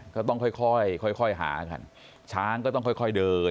ก็ต้องค่อยค่อยค่อยค่อยหานะครับช้างก็ต้องค่อยค่อยเดิน